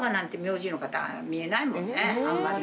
あんまり。